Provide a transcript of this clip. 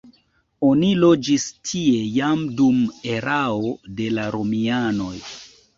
Oni loĝis tie jam dum erao de la romianoj.